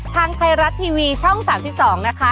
ทางไทยรัฐทีวีช่อง๓๒นะคะ